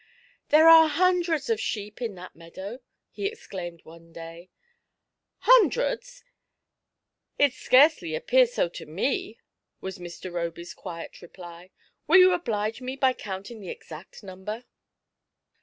'' There are hundreds of sheep in that meadow !" he exclaimed one dav. Hundreds ! it scarcely appears so to me," was Mr. Roby's quiet reply ;'* will you oblige me by counting the exact number